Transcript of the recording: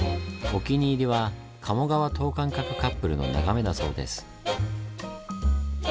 お気に入りは鴨川等間隔カップルの眺めだそうです。